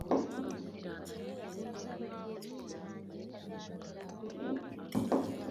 yabaye umunyamabanga w’Inama Nkuru y’Igihugu